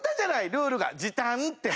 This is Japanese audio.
ルールが時短って。